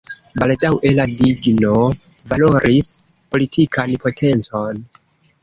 Baldaŭe la digno valoris politikan potencon.